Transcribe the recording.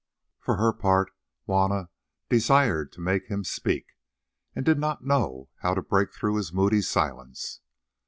For her part Juanna desired to make him speak, and did not know how to break through his moody silence.